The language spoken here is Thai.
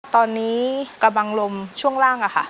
ตอนนี้กระบังลมช่วงล่างอะค่ะ